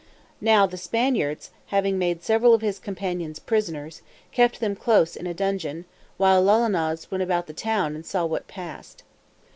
Now the Spaniards, having made several of his companions prisoners, kept them close in a dungeon, while Lolonois went about the town and saw what passed.